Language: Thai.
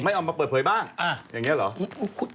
เอามาเปิดเผยบ้างอย่างนี้เหรอ